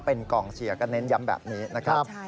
เป็นกองเชียร์ก็เน้นย้ำแบบนี้นะครับ